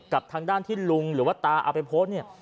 กับทางด้านที่ลุงหรือว่าตาเอาไปโพสต์เนี่ย